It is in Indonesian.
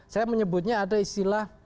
saya menyebutnya ada istilah